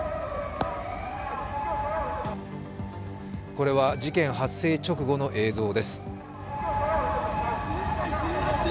これは事件発生直後の映像です。